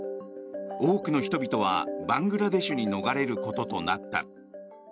多くの人々はバングラデシュに逃れることとなった。